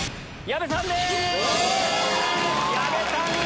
矢部さん！